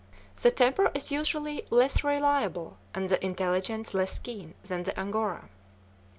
The temper is usually less reliable and the intelligence less keen than the Angora.